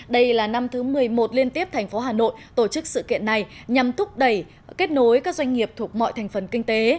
đây là năm thứ một mươi một liên tiếp thành phố hà nội tổ chức sự kiện này nhằm thúc đẩy kết nối các doanh nghiệp thuộc mọi thành phần kinh tế